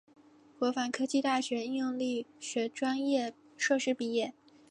国防科技大学应用力学专业硕士毕业。